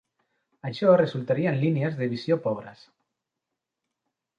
Això resultaria en línies de visió pobres.